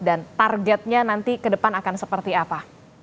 dan targetnya nanti akan seperti apa